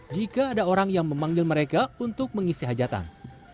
jika ada orang yang memanggil mereka untuk mengisi hajatan